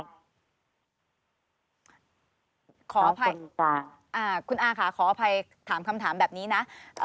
ขออภัยคุณอาค่ะขออภัยถามคำถามแบบนี้นะ